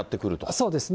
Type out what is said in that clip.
そうですね。